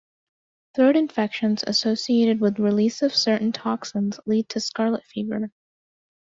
Throat infections associated with release of certain toxins lead to scarlet fever.